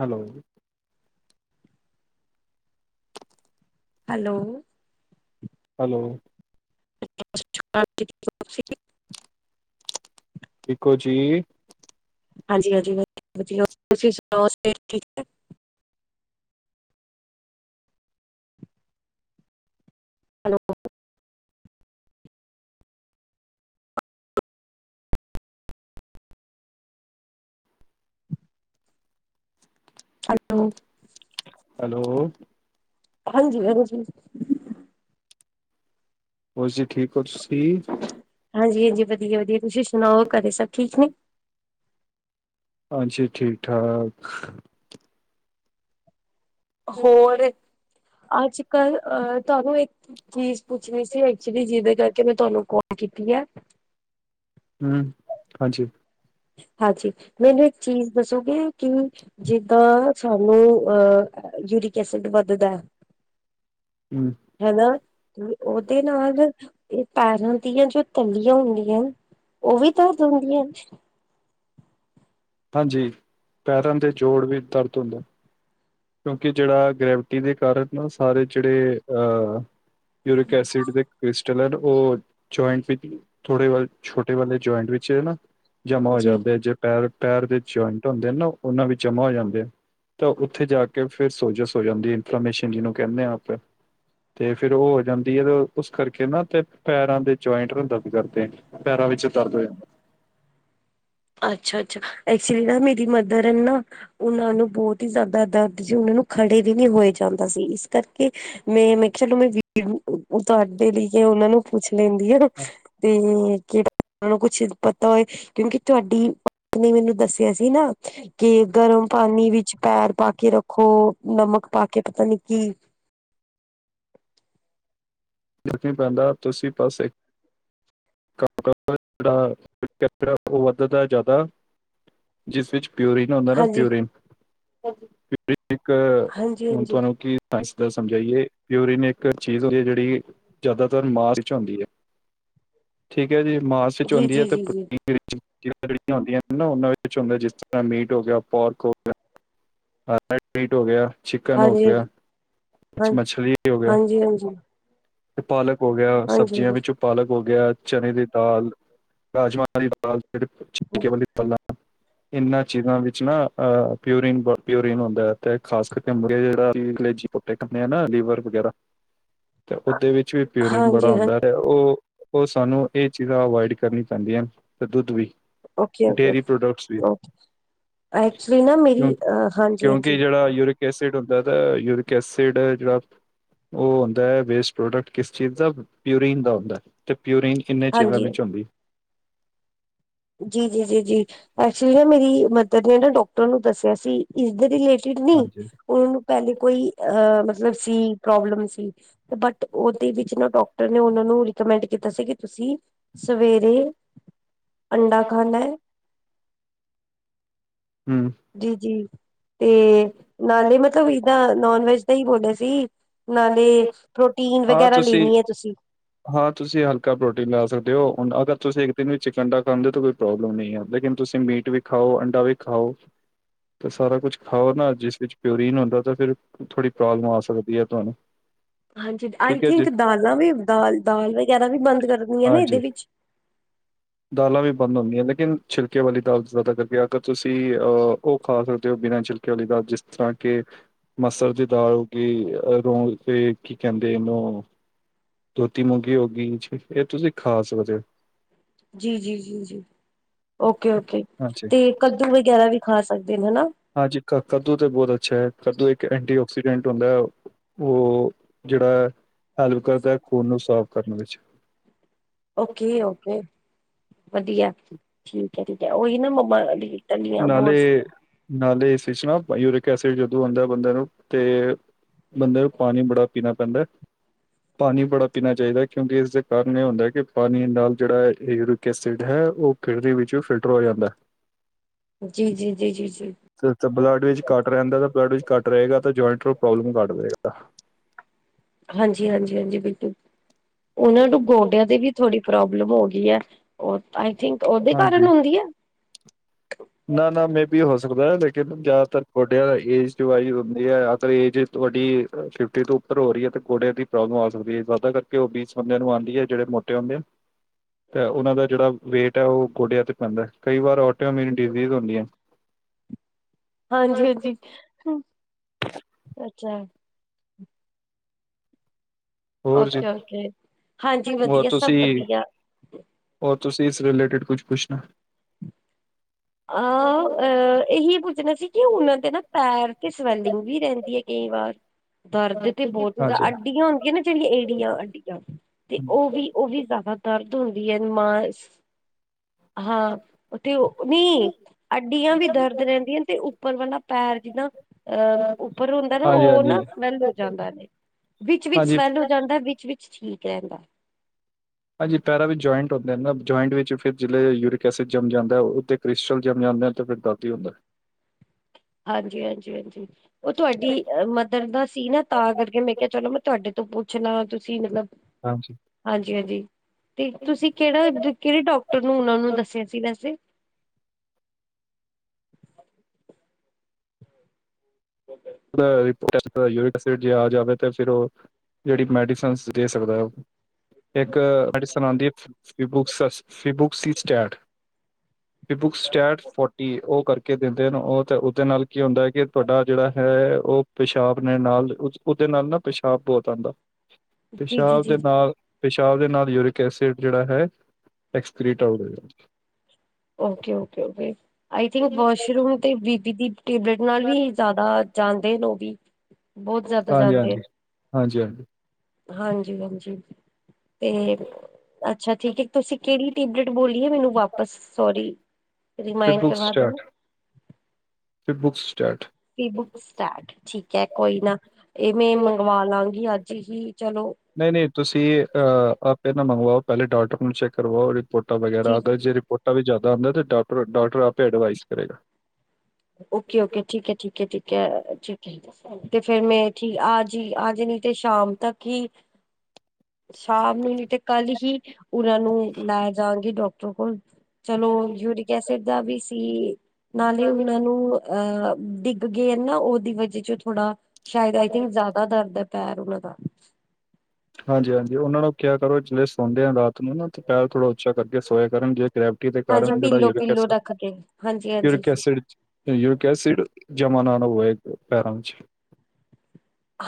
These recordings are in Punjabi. ਹੈਲੋ। ਹੈਲੋ। ਹੈਲੋ। ਸਤਿ ਸ੍ਰੀ ਅਕਾਲ ਜੀ ਹੋ ਤੁਸੀਂ? ਠੀਕ ਹੋ ਜੀ? ਹਾਂਜੀ-ਹਾਂਜੀ ਵਧੀਆ ਤੁਸੀਂ ਸੁਣਾਓ ਸਿਹਤ ਠੀਕ ਹੈ। ਹੈਲੋ, ਹੈਲੋ, ਹੈਲੋ, ਹਾਂਜੀ-ਹਾਂਜੀ। ਹੋਰ ਜੀ ਠੀਕ ਹੋ ਤੁਸੀ? ਹਾਂਜੀ-ਹਾਂਜੀ, ਵਧੀਆ-ਵਧੀਆ ਤੁਸੀਂ ਸੁਣਾਓ ਘਰੇ ਸਭ ਠੀਕ ਨੇ? ਹਾਂਜੀ। ਠੀਕ- ਠਾਕ। ਹੋਰ। ਅੱਜ-ਕੱਲ ਅਹ ਤੁਹਾਨੂੰ ਇੱਕ ਚੀਜ਼ ਪੁੱਛਣੀ ਸੀ ਐਕਚੁਲੀ ਜਿਹਦੇ ਕਰਕੇ ਮੈਂ ਤੁਹਾਨੂੰ ਕੋਲ ਕੀਤੀ ਹੈ। ਹਮ ਹਾਂਜੀ। ਹਾਂਜੀ ਮੈਨੂੰ ਇੱਕ ਚੀਜ਼ ਦੱਸੋਗੇ ਕਿ ਜਿੱਦਾਂ ਸਾਨੂੰ ਅਹ ਯੂਰਿਕ ਐਸਿਡ ਵੱਧਦਾ। ਹਮ। ਹਨਾ ਉਹਦੇ ਨਾਲ ਇਹ ਪੈਰਾਂ ਦੀਆਂ ਜੋ ਤਲੀਆਂ ਹੁੰਦੀਆਂ ਉਹ ਵੀ ਤਾਂ ਦਿੰਦੀਆਂ। ਹਾਂਜੀ। ਪੈਰਾਂ ਦੇ ਜੋੜ ਵੀ ਦਰਦ ਹੁੰਦੇ। ਕਿਉਂਕਿ ਜੇੜਾ ਗ੍ਰੈਵਿਟੀ ਦੇ ਕਾਰਨ ਨਾ ਸਾਰੇ, ਜਿਹੜੇ, ਅਹ ਯੂਰਿਕ ਐਸਿਡ ਦੇ ਟਵਿਸਟ ਜਲਣ ਉਹ ਜੁਆਇੰਟ ਵਿੱਚ, ਥੋੜੇ ਵ ਛੋਟੇ ਵਾਲੇ ਜੁਆਇੰਟ ਵਿੱਚ ਹੈ ਨਾ। ਜਮਾਂ ਹੋ ਜੀ ਜਾਂਦੇ ਜੇ ਪੈਰ, ਪੈਰ ਦੇ ਜੁਆਇੰਟ ਹੁੰਦੇ ਆ ਨਾ ਉਹਨਾਂ ਵਿੱਚ ਜਮਾ ਹੋ ਜਾਂਦੇ ਤਾਂ ਉੱਥੇ ਜਾ ਕੇ। ਫਿਰ ਸੋਜਿਸ ਹੋ ਜਾਂਦੀ, ਇਨਫੋਰਮੇਸ਼ਨ ਜਿਹਨੂੰ ਕਹਿੰਦੇ ਹਾਂ ਆਪਾਂ। ਤੇ ਫਿਰ ਉਹ ਹੋ ਜਾਂਦੀ, ਤੇ ਉਸ ਕਰਕੇ ਨਾ ਤੇ ਪੈਰਾਂ ਦੇ ਜੁਆਇੰਟ ਨੂੰ ਦਰਦ ਕਰਦੇ। ਪੈਰਾਂ ਵਿੱਚ ਦਰਦ ਰਹੇ ਅੱਛਾ -ਅੱਛਾ। ਐਕਚੁਲੀ ਨਾ ਮੇਰੀ ਮਦਰ ਐ ਨਾ ਉਹਨਾਂ ਨੂੰ ਬਹੁਤ ਹੀ ਜ਼ਿਆਦਾ ਦਰਦ ਸੀ ਉਹਨਾਂ ਨੂੰ ਖੜੇ ਵੀ ਨਹੀਂ ਹੋਏ ਜਾਂਦਾ ਸੀ ਇਸ ਕਰਕੇ। ਨਹੀ ਮੈਂ ਕਿਹਾ ਚਲ ਵੀੜ ਉਤਾਰ ਦੇ ਲਈ ਕਿ ਉਹਨਾਂ ਨੂੰ। ਪੁੱਛ ਲੈਂਦੀ ਏ, ਤੇ ਕਿਹੜਾ, ਨੂੰ ਕੁਛ ਪਤਾ ਹੋਏ, ਕਿਉਂਕਿ ਤੁਹਾਡੀ ਮੰਮੀ ਨੇ ਮੈਨੂੰ ਦੱਸਿਆ ਸੀ ਨਾ, ਕਿ ਗਰਮ ਪਾਣੀ ਵਿੱਚ ਪੈਰ ਪਾ ਕੇ ਰੱਖੋ, ਨਮਕ ਪਾ ਕੇ ਪਤਾ ਨੀ ਕੀ। ਦੇਖਣੀ ਪੈਂਦਾ, ਤੁਸੀਂ ਪਾਸੇ ਕੰਮ ਕੰਮ ਦਾ ਜੇੜਾ ਉਹ ਵੱਧਦਾ ਜ਼ਿਆਦਾ ਜਿਸ ਵਿੱਚ ਪਿਓਰੀਨ ਹੁੰਦਾ ਪਿਓਰੀਨ, ਪਿਓਰੀਨ ਇੱਕ, ਹੁਣ ਹਾਂਜੀ-ਹਾਂਜੀ-ਹਾਂਜੀ ਤੁਹਾਨੂੰ ਕਿ ਸਾਇੰਸ ਦਾ ਸਮਝਾਈਏ। ਪਿਓਰੀਨ ਇੱਕ ਚੀਜ਼ ਹੁੰਦੀ ਜਿਹੜੀ ਜ਼ਿਆਦਾਤਰ ਮਾਸ ਵਿੱਚ ਹੁੰਦੀ ਹੈ, ਠੀਕ ਹੈ ਜੀ, ਮਾਰਸ ਜੀ-ਜੀ-ਜੀ-ਜੀ ਵਿੱਚ ਹਾਂਜੀ ਜੀ ਜੀ ਹੁੰਦੀ ਹੈ ਤੇ ਜੀ ਜੀ ਵਿੱਚ ਜਿਹੜੀਆਂ ਹੁੰਦੀਆਂ ਨਾ ਉਹਨਾਂ ਵਿੱਚ ਹੁੰਦਾ ਜਿਸ ਤਰ੍ਹਾਂ ਮੀਟ ਹੋ ਗਿਆ, ਪੋਰਕ ਹੋ ਗਿਆ। ਹਰ ਨਾਈਟ ਮੀਟ ਹੋ ਗਿਆ। ਚਿਕਨ ਹੋ ਹਾਂਜੀ ਹਾਂ ਗਿਆ, ਕੁਛ ਮਛਲੀ ਹੋ ਗਿਆ। ਤੇ ਪਾਲਕ ਹੋ ਗਿਆ, ਸਬਜ਼ੀਆਂ ਹਾਂਜੀ-ਹਾਂਜੀ-ਹਾਂਜੀ-ਹਾਂਜੀ ਵਿੱਚੋਂ ਪਾਲਕ ਹੋ ਗਿਆ। ਚਣੇ ਦੀ ਦਾਲ, ਰਾਜਮਾਂਹ ਵਾਲੀ ਦਾਲ ਛਿਲਕੇ ਵਾਲੀ ਦਾਲ ਇਹਨਾਂ ਚੀਜ਼ਾਂ ਵਿੱਚ ਨਾ ਅ ਪਿਓਰੀਨ ਪਿਉਰੀਨ ਹੰਦਾ, ਤੇ ਖਾਸ ਕਰਕੇ ਮ ਜਿਹੜੇ ਚਿਕਨ ਖਾਂਦੇ ਨਾ, ਲੀਵਰ ਵੈਰਾ ਤੇ ਓਦੇ ਵਿੱਚ ਵੀ ਪਿਓਰੀਨ ਬੜਾ ਹਾਂਜੀ-ਹਾਂਜੀ ਆਦਾ। ਤੇ ਉਹ, ਉਹ ਸਾਨੂੰ ਇਹ ਚੀਜ਼ਾਂ 'ਅਵਾੋਇਡ' ਕਰਨੀਆਂ ਪੈਂਦੀਆਂ, ਤੇ ਦੁੱਧ ਵੀ। ਓਕੇ, ਡੇਅਰੀ ਪ੍ਰੋਡਕਟਸ ਵੀ ਓਕੇ ਐਕਚੁਲੀ ਨਾ ਮੇਰੀ ਹਾਂਜੀ। ਕਿ ਜਿਹੜਾ ਯੂਰਿਕ ਐਸਿਡ ਹੁੰਦਾ ਤਾਂ, ਯੂਰਿਕ ਐਸਿਡ ਜਿਹੜਾ ਉਹ ਹੁੰਦਾ ਵੇਸਟ ਪ੍ਰੋਡਕਟ ਕਿਸ ਚੀਜ਼ ਦਾ 'ਪਿਓਰੀਨ' ਦਾ ਹੁੰਦਾ ਹੈ। ਤੇ ਪਿਓਰੀਨ ਕਿੰਨੇ ਚਿਰਾਂ ਹਾਂਜੀ ਵਿੱਚ ਹੁੰਦੀ। ਜੀ, ਜੀ, ਜੀ, ਜੀ ਐਕਚੁਲੀ ਨਾ 'ਮੇਰੀ ਮਦਰ' ਨੇ ਨਾ ਡਾਕਟਰ ਨੂੰ ਦੱਸਿਆ ਸੀ। ਇਸਦੇ ਰਿਲੇਟਿਡ ਨੀ ਹਾਂਜੀ ਉਹਨਾਂ ਨੂੰ ਪਹਿਲੇ ਕੋਈ ਅ ਮਤਲਬ ਸੀ ਪ੍ਰੋਬਲਮ ਸੀ। ਬਟ ਉਹ ਓਦੇ ਵਿੱਚ ਨਾ ਡਾਕਟਰ ਨੇ ਉਹਨਾਂ ਨੂੰ 'ਰਿਕਮੈਂਟ' ਕੀਤਾ ਸੀ। ਕਿ ਤੁਸੀਂ ਸਵੇਰੇ ਅੰਡਾ ਖਾਣਾ ਹੈ। ਹਮ ਜੀ, ਜੀ ਤੇ ਨਾਲੇ ਮਤਲਬ ਇਹਦਾਂ 'ਨੋਨ ਵੈਜ'ਦਾ ਹੀ ਬੋਲਿਆ ਸੀ। ਨਾਲੇ ਪ੍ਰੋਟੀਨ ਵਗੈਰਾ ਲੈਣੀ ਆ ਤੁਸੀਂ। ਹਾਂ ਤੁਸੀਂ ਹਲਕਾ ਪ੍ਰੋਟੀਨ ਲੈ ਸਕਦੇ ਹੋ, ਅਗਰ ਤੁਸੀਂ ਇੱਕ ਦਿਨ ਵਿੱਚ ਇੱਕ ਅੰਡਾ ਖਾਂਦੇ ਤਾਂ ਕੋਈ ਪ੍ਰੌਬਲਮ ਨਹੀਂ ਹੈ ਲੇਕਿਨ ਤੁਸੀਂ ਮੀਟ ਵੀ ਖਾਓ, ਅੰਡਾ ਵੀ ਖਾਓ। ਤੇ ਸਾਰਾ ਕੁਛ ਖਾਓ ਨਾ ਜਿਸ ਵਿੱਚ ਪਿਓਰੀਨ ਹੁੰਦਾ ਤਾਂ ਫਿਰ ਥੋੜ੍ਹੀ ਪ੍ਰੋਬਲਮ ਆ ਸਕਦੀ ਆ ਤੁਹਾਨੂੰ। ਹਾਂਜੀ ਆਈ ਠੀਕ ਹੈ ਜੀ ਥਿੰਕ ਦਾਲਾਂ ਵੀ ਦਾਲ-ਦਾਲ ਵਗੈਰਾ ਵੀ ਬੰਦ ਕਰਨੀਆਂ ਨਾ ਇਦੇ ਵਿੱਚ। ਹ [inaudible] ਦਾਲਾਂ ਵੀ ਬੰਦ ਹੁੰਦੀਆਂ ਲੇਕਿਨ ਛਿਲਕੇ ਵਾਲੀ ਦਾਲ, ਜ਼ਿਆਦਾ ਕਰਕੇ ਅਗਰ ਤੁਸੀਂ ਅਹ ਉਹ ਖਾ ਸਕਦੇ ਹੋ ਬਿਨਾਂ ਛਿਲਕੇ ਲੀ ਦਾ ਜਿਸ ਤਰ੍ਹਾਂ ਕਿ 'ਮਸਰ' ਦੀ ਦਾਲ ਹੋਗੀ ਕੀ ਕਹਿੰਦੇ ਇਹਨੂੰ 'ਧੋਤੀ ਮੂੰਗੀ' ਹੋ ਗਈ ਇਹ ਤੁਸੀਂ ਖਾ ਸਕਦੇ ਹੋ। ਜੀ, ਜੀ, ਜੀ, ਜੀ ਓਕੇ, ਓਕੇ ਹਾਂਜੀ ਤੇ 'ਕੱਦੂ' ਵਗੈਰਾ ਵੀ ਖਾ ਸਕਦੇ ਐ ਹਨਾ। ਹਾਂਜੀ ਕ ਕੱਦੂ ਤਾਂ ਬਹੁਤ ਅੱਛਾ ਹੈ 'ਕੱਦੂ' ਇੱਕ ਐਂਟੀ 'ਆਕਸੀਡੈਂਟ' ਹੁੰਦਾ ਹੈ। ਉਹ ਜਿਹੜਾ ਹੈਲਪ ਕਰਦਾ ਆ 'ਖੂਨ' ਨੂੰ ਸਾਫ਼ ਕਰਨ ਵਿੱਚ। ਓਕੇ, ਓਕੇ ਵਧੀਆ ਠੀਕ ਹੈ, ਠੀਕ ਹੈ ਉਹੀ ਨਾ ਤਲੀਆਂ ਬਹੁਤ ਨਾਲੇ, ਨਾਲੇ ਇਸ ਵਿਚ ਨਾ 'ਯੂਰਿਕ ਐਸਿਡ' ਜਦੋਂ ਆਉਂਦਾ ਬੰਦੇ ਨੂੰ ਤੇ ਬੰਦੇ ਨੂੰ 'ਪਾਣੀ' ਬੜਾ ਪੀਣਾ ਪੈਂਦਾ। ਪਾਣੀ ਬੜਾ ਪੀਣਾ ਚਾਹੀਦਾ ਕਿਉਂਕਿ ਇਸਦੇ ਕਾਰਨ ਇਹ ਹੁੰਦਾ ਕਿ ਪਾਣੀ ਨਾਲ ਜਿਹੜਾ ਯੂਰਿਕ ਐਸਿਡ ਹੈ। ਉਹ ਕਿਡਨੀ ਵਿੱਚੋ ਫਿਲਟਰ ਹੋ ਜਾਂਦਾ ਐ। ਜੀ, ਜੀ, ਜੀ, ਜੀ, ਜੀ ਤੇ ਬਲੱਡ ਵਿੱਚ ਘੱਟ ਰਹਿੰਦਾ ਤਾਂ ਬਲੱਡ ਵਿੱਚ ਕੱਟ ਰਹੇਗਾ, ਤਾਂ ਜੁਆਇੰਟ ਨੂੰ ਪ੍ਰੋਬਲਮ ਕਰ ਰਹੇਗਾ। ਹਾਂਜੀ, ਹਾਂਜੀ, ਹਾਂਜੀ ਬਿਲਕੁ ਉਹਨਾਂ ਨੂੰ 'ਗੋਡਿਆਂ' ਦੇ ਵੀ ਥੋੜੀ ਪ੍ਰੋਬਲਮ ਹੋ ਗਈ ਆ। ਉਹ ਆਈ ਥਿੰਕ ਉਹਦੇ ਹਾਂਜੀ ਕਾਰਨ ਹੋਰਹੀਐ। ਨਾ, ਨਾ ਮੇ ਵੀ ਹੋ ਸਕਦਾ ਲੇਕਿਨ ਜ਼ਿਆਦਾਤਰ ਗੋਡਿਆਂ ਏਜ ਟੂ ਵਾਈਸ ਹੁੰਦੀ ਹੈ ਏਜ ਵੱਡੀ ਫਿਫਟੀ ਤੋਂ ਉੱਪਰ ਹੋ ਰਹੀ ਹੈ ਤੇ ਗੋੜੇ ਦੀ ਪ੍ਰੋਬਲਮ ਆ ਸਕਦੀ ਹੈ ਜ਼ਿਆਦਾ ਕਰਕੇ ਉਹ ਬੀਸ ਬੰਦਿਆਂ ਨੂੰ ਆਉਂਦੀ ਐ। ਜਿਹੜ ਤੇ ਉਹ ਦਾ ਜਿਹੜਾ ਵੇਟ ਹੈ ਉਹ ਗੋਡਿਆਂ ਤੇ ਪੈਂਦਾ। ਕਈ ਵਾਰ ਓਟਿਓ ਮੇਰੀ ਡਜ਼ ਹੁੰਦੀ ਐ। ਹਾਂਜੀ, ਹਾਂਜੀ ਅੱਛਾ। ਹੋਰ ਜੀ ਓਕੇ ਓਕੇ ਹਾਂਜੀ ਹੋਰ ਵਧੀਆ ਸਭ ਤੁਸੀਂ ਵਧੀਆ ਔਰ ਤੁਸੀਂ ਇਸ ਰਿਲੇਟਿਡ ਕੁਝ ਪੁੱਛਣਾ? ਆਹ, ਅਹ ਇਹੀ ਪੁੱਛਣਾ ਸੀ ਕਿ ਉਹਨਾਂ ਦੇ ਨਾ ਪੈਰ ਤੇ 'ਸਵੈਲਿੰਗ' ਜੀ ਰਹਿੰਦੀ ਹੈ। ਕਈ ਵਾਰ ਦਰਦ ਤੇ ਬਹੁਤਦਾ ਹਾਂਜੀ 'ਅੱਡੀਆਂ' ਹੁੰਦੀਆਂ ਨਾ ਜਿਹੜੀਆਂ ਏੜੀਆਂ ਅੱਡੀਆਂ। ਤੇ ਹਾਂਜੀ ਉਹ ਵੀ, ਉਹ ਵੀ ਜ਼ਿਆਦਾ ਦਰਦ ਹੁੰਦੀ ਹੈ ਨ ਮਾਸ ਹਾਂ ਤੇ ਨੀ ਅੱਡੀਆਂ ਵੀ ਦਰਦ ਰਹਿੰਦੀਆਂ ਤੇ, ਉੱਪਰ ਵਾਲਾ ਪੈਰ ਜਿਦਾ ਅ ਉੱਪਰ ਹੁੰਦਾ ਨਾ ਔ ਨਾ ਹਾਂਜੀ ਸਮੈਲ ਹੋ ਜਾਂਦਾ ਨੇ ਵਿੱਚ ਵਿਚ ਹਾਂਜੀ ਸਮਵੈਲ ਹੋ ਦਾ ਵਿੱਚ-ਵਿਚ ਠੀਕ ਰੈਂਦਾ। ਹਾਂਜੀ ਪੈਰਾ ਵਿੱਚ ਜੁਆਇੰਟ ਹੁੰਦੇ ਨਾ ਜੂਆਇੰਡ ਵਿੱਚ ਫੇਰ ਜਿਲੇ ਯੂੂਰਿਕ ਐਸਿਡ ਜਮ ਜਾਂਦਾ ਹੈ ਔਹ ਤੇ ਕ੍ਰਿਸਚਲ ਜਮ ਜਾਂਦਾ ਤੇ ਫੇਰ ਬਾ ਕੀ ਹੋਂਦੈ। ਹਾਂਜੀ- ਹਾਂਜੀ-ਹਾਂਜੀ। ਔ ਤੁਆਡੀ ਮਦਰ ਦਾ ਸੀ ਨਾ ਤਾਂ ਕਰਕੇ ਮੈਂ ਕਿਯਾ ਚਲੋ ਮੈਂ ਤੁਹਾਡੇ ਤੋਂ ਪੁੱਛਲਾ ਤੁਸੀਂ ਮਤਲਬ ਹਾਂਜੀ ਹਾਂਜੀ-ਹਾਂਜੀ ਤੇ ਤੁਸੀਂ ਕੇੜਾ ਦਿ- ਕੇਹੜੇ ਡੋਕਟਰ ਨੂੰ ਔਨਾਂ ਨੂੰ ਦੱਸਿਆ ਸੀ ਵੈਸੇ। ਓਕੇ। [unintelligible] ਭਰਾ ਵੀ ਪੂਰਾ-ਸੂਰਾ ਈ ਯੁਰਿਕ ਐਸਿਡ ਜੇ ਆ ਜਾਵੇ ਤੇ ਫੇਰ ਔ ਜੇੜੀ ਮੈਡੀਸਨ ਦੇ ਸਕਦੈ ਔ। ਇੱਕ ਮੈਡੀਸਨ ਆਂਦੀਏ, ਫਿਬੁਕ ਸਸ ਫਿਬੁਕ ਸੀਸ ਸਟਾਰਟ ਫਿ ਬੁਕ ਸਟੈਟ ਫੋਟੀ ਔਹ ਕਰਕੇ ਦਿੰਦੇ ਹਨ, ਔਹ ਤੇ ਔਦੇ ਨਾਲ ਕੀ ਹੋਂਦਾ ਹੈ ਕਿ ਤੁਹਾਡਾ ਜੇੜਾ ਹੈ, ਔ ਪੇਸ਼ਾਬ ਨੇ ਨਾਲ ਔਦੇ ਨਾਲ ਨਾ ਪੇਸ਼ਾਬ ਬੋਤ ਆਂਦਾ। ਜੀ ਜੀ ਪੇਸ਼ਾਬ ਦੇ ਜੀ ਨਾਲ ਪੇਸ਼ਾਬ ਦੇ ਨਾਲ ਯੂਰਿਕ ਐਸਿਡ ਜੇੜਾ ਹੈ, ਐਕਸਕ੍ਰੀਟ ਆਊਟ ਹੋਏਗਾ। Okay okay okay, I think washroom ਤੇ ਬੀ ਪੀ ਦੀ ਟੇਬਲੇਟ ਨਾਲ ਵੀ ਜ਼ਾਦਾ ਜਾਂਦੇ ਨ ਔ ਵੀ, ਬੋਤ ਜ਼ਾਦਾ ਹਾਂਜੀ ਜਾਂਦੇ ਹਾਂਜੀ ਨੇ। ਹਾਂਜੀ ਹਾਂਜੀ ਹਾਂਜੀ ਹਾਂਜੀ ਤੇ ਅੱਛਾ ਠੀਕ ਐ, ਤੁਸੀਂ ਕੇੜੀ ਟੇਬਲੇਟ ਬੋਲੀਏ ਮੈਨੂੰ ਵਾਪਸ ਸੋਰੀ ਰਿਮਾਇੰਡ ਫਿਬੁਕ ਕਰਵਾ ਦੇਣਾ ਸਟਾਰਟ, ਫਿਬੁਕ ਸਟਾਰਟ ਫਿਬੁੱਕ ਸਟਾਰਟ ਠੀਕ ਐ ਕੋਈ ਨਾ ਏ ਮੈ ਮੰਗਵਾ ਲਾਗੀ ਅੱਜ ਹੀ ਚਲੋ ਨਈ ਨਈ ਤੁਸੀਂ ਅ ਆਪੇ ਨਾ ਮੰਗਵਾਔ, ਪੈਲੇ ਡਾਕਟਰ ਨੂੰ ਚੈੱਕ ਕਰਵਾਔ ਰਿਪੋਰਟਾਂ ਵਗੈਰਾ ਜੀ ਜੀ ਆਂਦਾ ਜੀ ਜੇ ਪੋਟਾ ਵੀ ਜਾਦਾ ਆਂਦਾ ਤੇ ਡਾਕਟਰ ਡਾਕਟਰ ਆਪੇ ਐਡਵਾਈਸ ਕਰੇਗਾ। ਔਕੇ-ਔਕੇ ਠੀਕੈ -ਠੀਕੈ -ਠੀਕ ਐ, ਠੀਕੈ ਜੀ। ਤੇ ਫੇਰ ਮੈਂ ਠੀਕ ਆਜਈ ਆਜਨੀ ਤੇ ਸ਼ਾਮ ਤੱਕ ਈ ਸ਼ਾਮ ਨੂੰ ਨੀਤੇ ਕੱਲ ਹੀ ਉਨਾਂ ਨੂੰ ਲੈ ਜਾਗੀ ਡੋਕਟਰ ਕੋਲ। ਚਲੋ ਯੂਰਿਕ ਐਸਿਡ ਦਾ ਵੀ ਸੀ, ਨਾਲੇ ਨੂੰ ਅਹ ਡਿੱਗ ਗੇ ਨਾ ਔਦੀ ਵਜ੍ਹਾ ਚ ਥੋੜਾ, ਸ਼ਾਇਦ ਆਈ ਥਿੰਕ ਜਾ ਦਾ ਦਰਦ ਪੈਰ ਔਨਾਂ ਦਾ- ਹਾਂਜੀ -ਹਾਂਜੀ ਔਨਾਂ ਨੂੰ ਕਿਆ ਕਰੋ, ਜਿਲੇ ਸੌਂਦੇ ਆ ਰਾਤ ਨੂੰ ਨਾ ਤੇ ਪੈਰ ਥੋੜ੍ਹਾ ਉੱਚਾ ਕਰਕੇ ਸੋਏ ਕਰਨ ਜੇ ਗ੍ਰੈਵਿਟੀ ਦੇ ਹਾਂਜੀ ਕਾਰਨ ਜੋੜਾ ਪਿੱਲੋ ਯੂਰਿਕ ਪਿੱਲੋ ਐਸਿਡ- ਰੱਖ ਕੇ ਹਾਂਜੀ ਹਾਂਜੀ ਯੂਰਿਕ ਐਸਿਡ ਯੂਕੈਸਿਡ ਜਮਾ ਨਾ ਨਾ ਹੋਵੇ ਪੈਰਾਂ ਵਿੱਚ।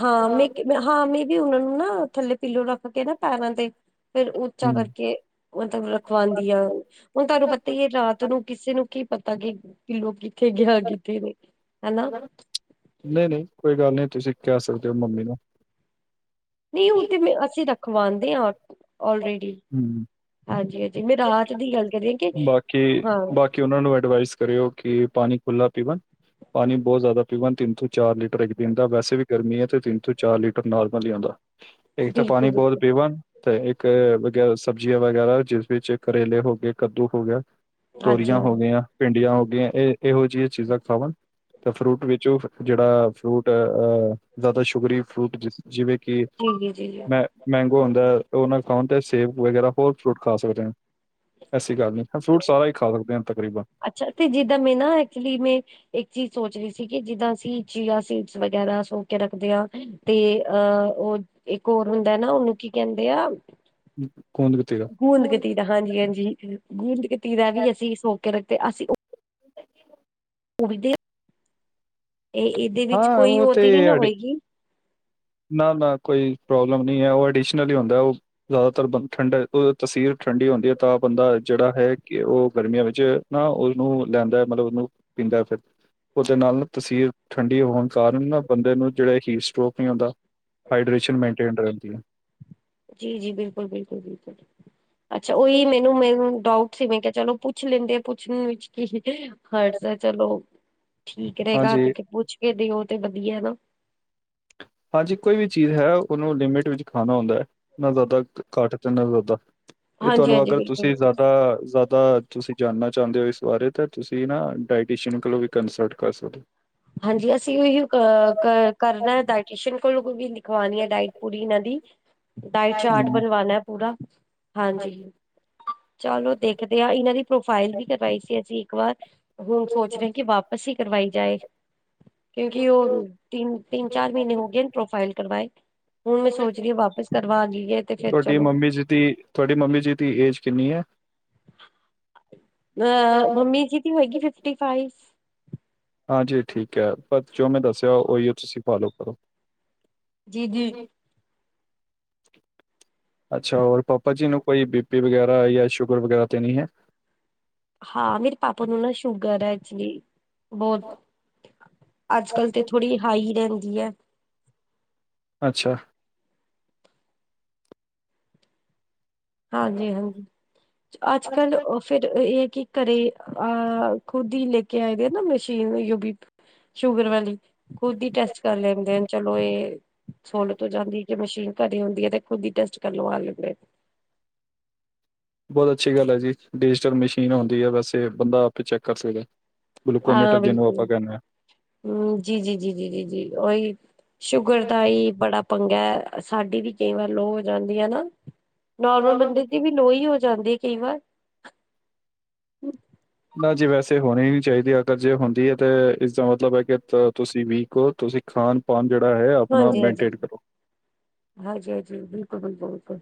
ਹਾਂ ਮੈਂ ਕ ਹਾਂ ਮੇ ਵੀ ਔਨਾ ਨੂੰ ਨਾ ਥੱਲੇ ਪਿੱਲੋ ਰੱਖ ਕੇ ਨਾ ਪੈਰਾਂ ਤੇ ਫੇਰ ਉੱਚਾ ਹੂੰ, ਕਰਕੇ ਮਤਲਬ ਰਖਵਾਉਂਦੀ ਆ, ਹੁਣ ਤਾਨੂੰ ਪਤਾ ਈ ਏ ਰਾਤ ਤਨੂੰ ਕਿਸੇ ਨੂੰ ਕੀ ਪਤਾ ਕਿ, ਕਿ ਪਿੱਲੋ ਕਿੱਥੇ ਗਿਆ ਕਿੱਥੇ ਨੀ। ਨਈ ਨਈ ਕੋਈ ਗੱਲ ਨੀ ਤੁਸੀਂ ਕੈ ਸਕਦੇ ਔ ਮੰਮੀ ਨੂੰ। ਨੀ ਔ ਤੇ ਮੈ ਅਸੀਂ ਰਖਵਾਂਦੇ ਆ ਆਲਰੇਡੀ, ਹੂੰ, ਹਾਂਜੀ -ਹਾਂਜੀ ਮੈਂ ਰਾਤ ਦੀ ਗੱਲ ਕਰੀ ਆ ਕਿ ਹਾਂ ਕਿ ਔਨਾ ਨੂੰ ਐਡਵਾਈਜ਼ ਕਰੇਔ ਕਿ ਪਾਣੀ ਖੁੱਲ੍ਹਾ ਪੀਵਣ ਪਾਣੀ ਬੋ ਜਾਦਾ ਪੀਵਨ ਤਿੰਨ ਤੋਂ ਚਾਰ ਲੀਟਰ ਇੱਕ ਦਿਨ ਦਾ, ਵੈਸੇ ਵੀ ਗਰਮੀ ਹੈ ਤੇ ਤਿੰਨ ਤੋਂ ਚਾਰ ਲੀਟਰ ਨਾਰਮਲ ਈ ਔਂਦਾ। ਇੱਕ ਤਾ ਬਿਲਕੁਲ ਪਾਣੀ ਬੋਤ ਬਿਲਕੁਲ ਪੀਵਨ, ਤੇ ਇਕ ਕ ਵਗੈ ਸਬਜ਼ੀਯਾਂ ਵਗੈਰਾ ਜਿਫਿਚਕ ਕਰੇਲੇ ਹੋ ਗਏ ਕੱਦੂ ਹੋ ਗਿਆ ਹਾਂਜੀ ਤੋਰੀਆਂ ਹੋ ਹਾਂਜੀ ਗਈਆਂ, ਭਿੰਡੀਆਂ ਹੋ ਗਈਆਂ, ਇਹ ਇਹੋ ਜਿਆਂ ਚੀਜ਼ਾਂ ਖਾਵਣ। ਤਾਂ ਫਰੂਟ ਵਿੱਚ ਔਹਅ ਜੇੜਾ, ਫਰੂਟ ਅ ਜ਼ਿਆਦਾ ਸ਼ੂਗਰੀ ਫਰੂਟ ਜਿਸ ਜਿਵੇਂ ਕਿ, ਜੀ ਜੀ ਜੀ ਮੈਂ ਮੈਗੋ ਹੁੰਦਾ ਉਹਨਾਂ ਖਾਣ ਤੇ ਸੇਬ ਵਗੈਰਾ ਹੋਰ ਫਰੂਟ ਖਾ ਸਕਦਾ। ਐਸੀ ਗੱਲ ਨਹੀਂ ਹੈ, ਜੀ। ਫਰੂਟ ਸਾਰਾ ਹੀ ਖਾ ਸਕਦੇ ਹਾ ਤਕਰੀਬਨ। ਅੱਛਾ ਤੇ ਜਿੱਦਾਂ ਮੈਂ ਨਾ ਐਕਚੁਲੀ ਮੈਂ ਇੱਕ ਚੀਜ਼ ਸੋਚ ਰਹੀ ਸੀ, ਕਿ ਜਿੱਦਾਂ ਅਸੀਂ ਚੀਆ ਸੀਟਸ ਵਗੈਰਾ ਸੋ ਕੇ ਰੱਖਦੇ ਹਾਂ ਤੇ ਅਹ ਉਹ ਇੱਕ ਹੋਰ ਹੁੰਦਾ ਨਾ, ਉਹਨੂੰ ਕੀ ਕਹਿੰਦੇ ਆ ਗੋਦ ਗਤੀਰਾ। ਗੂੰਦ ਗਤੀਰਾ ਹਾਂਜੀ ਹਾਂਜੀ, ਗੂੰਦ ਗਤੀਰਾ ਵੀ ਅਸੀਂ ਸੋਕ ਕੇ ਰੱਖਦੇ ਅਸੀਂ [inaudible] ਉਦੇ [unintelligible] ਇਹ ਇਹਦੇ ਵਿੱਚ ਕੋਈ ਉਹ ਤੇ ਨੀ ਨਾ ਹੋਏਗੀ। ਨਾ ਨਾ ਕੋਈ ਪ੍ਰੋਬਲਮ ਨਹੀਂ ਹੈ, ਉਹ ਅਡੀਸ਼ਨਲ ਹੁੰਦਾ ਉਹ ਜ਼ਿਆਦਾਤਰ ਬੰ ਠੰਡਾ ਤਸੀਰ ਠੰਡੀ ਹੁੰਦੀ ਹੈ, ਤਾਂ ਬੰਦਾ ਜਿਹੜਾ ਹੈ, ਕਿ ਉਹ ਗਰਮੀਆਂ ਵਿੱਚ ਨਾ ਉਹਨੂੰ ਲੈਂਦਾ ਏ, ਮਤਲਬ ਉਹਨੂੰ ਪੀਂਦਾ ਏ ਫਿਰ ਉਹਦੇ ਨਾਲ ਨਾ ਤਸੀਰ ਠੰਡੀ ਹੋਣ ਕਾਰਨ ਨਾ, ਬੰਦੇ ਨੂੰ ਜਿਹੜੇ ਹੀ ਸਟੋਕ ਨਹੀਂ ਆਉਂਦਾ। ਹਾਈਡ੍ਰੇਸ਼ਨ ਮੇਨਟੇਨ ਰਹਦੀ ਹੈ। ਜੀ-ਜੀ ਬਿਲਕੁਲ-ਬਿਲਕੁਲ-ਬਿਲਕੁਲ, ਅੱਛਾ ਉਓਹੀ ਮੈਨੂੰ ਮੈਨੂ ਡਾਊਟ ਫੇਰ ਮੈਂ ਕਿਆ ਚਲੋ ਪੁੱਛ ਲੈਂਦੇ ਆ ਪੁੱਛਣ ਵਿੱਚ ਕੀ ਹਰਜ ਐ। ਚਲੋ। ਠੀਕ ਰ‌ਏਗਾ ਤੇ ਹਾਂਜੀ ਪੁੱਛ ਕੇ ਦਿਓ ਤੇ ਵਧੀਆ ਨਾ। ਹਾਂਜੀ ਕੋਈ ਵੀ ਚੀਜ਼ ਹੈ ਓਨੂੰ ਲਿਮਿਟ ਵਿੱਚ ਖਾਣਾ ਹੁੰਦਾ ਐ। ਨਾ ਜਾਦਾ ਘੱਟ ਅ ਤੇ ਨਾ ਜਾਦਾ- ਤੇ ਹਾਂਜੀ ਤੁਆਨੂੰ ਹਾਂਜੀ ਅਗਰ ਬਿਲਕੁਲ ਤੁਸੀਂ ਜਾਦਾ ਜਾ ਦਾ ਤੁਸੀਂ ਜਾਣਨਾ ਚਾਂਦੇ ਓ ਇਸ ਬਾਰੇ ਤਾਂ ਤੁਸੀਂ ਨਾ ਡਾਇਟੀਸੀਅਨ ਕੋਲੋਂ ਵੀ ਕੰਸਲਟ ਕਰ ਸਕਦੇ। ਹਾਂਜੀ ਅਸੀਂ ਓਈ ਓ ਕਾ ਕ ਕਰਨਾ ਡਾਇਟੀਸ਼ੀਅਨ ਕੋਲੋਂ ਵੀ ਲਿਖਵਾਣੀ ਐ ਡਾਇਟ ਪੂਰੀ ਏਨਾਂ ਦੀ। ਡਾਈਟ ਸਕਦੇ ਚਾਰਟ ਹੋ ਬਣਵਾਣਾ ਪੂਰਾ। ਹਾਂਜੀ। ਚਲੋ ਦੇਖਦੇ ਆਂ। ਏਨਾਂ ਦੀ ਪ੍ਰੋਫਾਈਲ ਵੀ ਕਰਵਾਈ ਸੀ ਅਸੀਂ ਇੱਕ ਵਾਰ ਹੁਣ ਸੋਚ ਰੇਂ ਕੀ ਵਾਪਸ ਈ ਕਰਵਾਈ ਜਾਏ। ਕਿਉਂਕਿ ਓ ਤਿੰਨ- ਚਾਰ ਮੀਨੇ ਹੋ ਗਏ ਪ੍ਰੋਫਾਈਲ ਕਰਵਾਏ। ਹੁਣ ਮੈਂ ਸੋਚ ਰੀ ਆਂ ਵਾਪਸ ਕਰਵਾ ਲੀਏ। ਤੁਆਡੀ ਮੰਮੀ ਜੀ ਦੀ ਤੁਆਡੀ ਮੰਮੀ ਜੀ ਦੀ ਏਜ ਕਿੰਨੀ ਐ? ਅਹ ਮੰਮੀ ਜੀ ਦੀ ਹੋਏਗੀ ਫਿਫਟੀ ਫਾਈਵ। ਹਾਂਜੀ ਓ ਠੀਕ ਐ। ਪਰ ਜੋ ਮੈਂ ਦੱਸਿਆ ਓਈ ਓ ਤੁਸੀਂ ਫੋਲੋ ਕਰੋ। ਜੀ ਜੀ। [unintelligible] ਅੱਛਾ ਔਰ ਪਾਪਾ ਜੀ ਨੂੰ ਕੋਈ ਬੀ ਪੀ ਵਗੈਰਾ ਜਾਂ ਸ਼ੂਗਰ ਵਗੈਰਾ ਤੇ ਨਹੀ ਐ। ਹਾਂ ਮੇਰੇ ਪਾਪਾ ਨੂੰ ਨਾ ਸ਼ੂਗਰ ਐ ਐਕਚੁਲੀ। ਬੋਤ। ਅੱਜ ਕਲ ਤੇ ਥੋੜ੍ਹੀ ਹਾਈ ਰੈਂਦੀ ਐ। ਅੱਛਾ। ਹਾਂਜੀ ਹਾਂਜੀ। ਅੱਜ ਕੱਲ ਓ ਫੇਰ ਏ ਕੀ ਘਰੇ ਆਹ। ਖੁਦ ਈ ਲੈਕੇ ਆਏ ਦੇ ਨਾ ਮਸ਼ੀਨ ਯ ਬੀ ਪੀ- ਸ਼ੂਗਰ ਵਾਲੀ। ਖੁਦ ਈ ਟੈਸਟ ਕਰ ਲੈਂਦੇ ਨੇ। ਚਲੋ ਏ ਸਹੂਲਤ ਹੋ ਜਾਂਦੀ ਕਿ ਮਸ਼ੀਨ ਘਰੇ ਹੁੰਦੀ ਐ ਤੇ ਖੁਦ ਈ ਟੈਸਟ ਕਰਵਾ ਲੇਂਦੇ। ਬੋਤ ਅੱਛੀ ਗੱਲ ਐ ਜੀ। ਡਿਜੀਟਲ ਮਸ਼ੀਨ ਹੁੰਦੀ ਐ ਵੈਸੇ ਬੰਦਾ ਆਪੇ ਚੈੱਕ ਕਰ ਸਕਦਾ। ਗਲੂਕੋਮੀਟਰ ਹਾਂ ਜਿਹਨੂੰ ਬਿਲਕੁਲ ਆਪਾਂ ਕਹਿੰਦੇ ਹਾਂ। ਹੂਊ ਜੀ -ਜੀ -ਜੀ -ਜੀ -ਜੀ -ਜੀ ਓਈ। ਸ਼ੂਗਰ ਦਾ ਏਈ ਬੜਾ ਪੰਗਾ। ਸਾਡੀ ਵੀ ਕਈ ਵਾਰ ਲੋਅ ਹੋ ਜਾਂਦੀ ਐ ਨਾ। ਨੋਰਮਲ ਬੰਦੇ ਦੀ ਵੀ ਲੋ ਈ ਹੋ ਜਾਂਦੀ ਐ ਕਈ ਵਾਰ। ਨਾ ਜੀ ਵੈਸੇ ਹੋਣੀ ਨੀ ਚਾਈਦੀ। ਅਗਰ ਜੇ ਹੁੰਦੀ ਏ ਤੇ ਇਸਦਾ ਮਤਲਬ ਐ ਕਿ ਤੁਸੀਂ ਵੀਕ ਓ। ਤੁਸੀਂ ਖਾਣ ਪਾਣ ਜੇੜਾ ਐ ਆਪਣਾ ਮੇਨਟੇਟ ਕਰੋ। ਹਾਜੀ-ਹਾਜੀ, ਬਿਲਕੁਲ- ਬਿਲਕੁਲ-ਬਿਲਕੁਲ।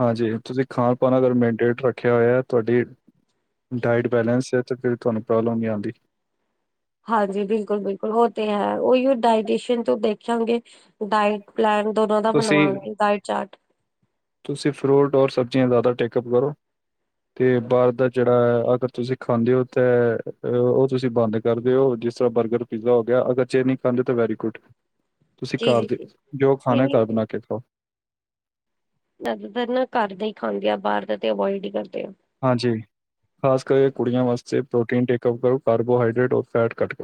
ਹਾਂਜੀ, ਤੁਸੀਂ ਖਾਣ-ਪਾਣ ਅਗਰ ਮੇਨਟੇਟ ਰੱਖਿਆ ਹੋਇਆ, ਤੁਆਡੀ ਡਾਇਟ ਬੈਲੇਂਸ ਏ ਤੇ ਫੇਰ ਤੁਆਨੂੰ ਪ੍ਰੋਬਲਮ ਨੀ ਆਂਦੀ। ਹਾਂਜੀ, ਬਿਲਕੁਲ-ਬਿਲਕੁਲ ਓ ਤੇ ਹੈ, ਓਈਓ ਡਾਇਟੇਸ਼ਨ ਤੋਂ ਦੇਖਾਂਗੇ ਡਾਇਟ ਪਲੈਨ ਦੋਨਾਂ ਦਾ ਤੁਸੀਂ ਬਣਵਾਕੇ, ਡਾਇਟ ਚਾਰਟ। ਤੁਸੀਂ ਫਰੂਟ ਔਰ ਸਬਜ਼ੀਆਂ ਜਾਦਾ ਟੇਕਅਪ ਕਰੋ। ਤੇ ਬਾਰ ਦਾ ਜੇੜਾ, ਅਗਰ ਤੁਸੀਂ ਖਾਂਦੇ ਓ ਤੈ, ਓ ਤੁਸੀਂ ਬੰਦ- ਕਰਦੇ ਓ, ਜਿਸ ਤਰ੍ਹਾਂ ਬਰਗਰ, ਪੀਜ਼ਾ ਹੋਗਿਆ ਅਗਰ ਜੇ ਨ‌ਈ ਖਾਂਦੇ ਤਾਂ ਵੈਰੀ ਗੁੱਡ। ਤੁਸੀਂ ਜੀ ਜੀ ਘਰ ਦੇ, ਜੀ ਜੋ ਨਹੀਂ ਖਾਣਾ ਨਹੀਂ ਘਰ ਬਣਾਕੇ ਖਾਓ। ਜਾਦਾਤਰ ਨਾ ਘਰ ਦਾ ਈ ਖਾਂਦੇ ਆਂ, ਬਾਰ ਦਾ ਤੇ ਅਵੋਇਡ ਈ ਕਰਦੇ ਆਂ। ਹਾਂਜੀ, ਖਾਸ ਕਰਕੇ ਕੁੜੀਆਂ ਵਾਸਤੇ ਪ੍ਰੋਟੀਨ ਟੇਕਅਪ ਕਰੋ, ਕਾਰਬੋਹਾਈਡ੍ਰੇਟ ਔਰ ਫੈਟ ਘੱਟ ਕਰੋ।